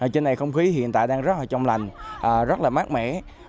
trên này không khí hiện tại đang rất là trong lành rất là mát mẻ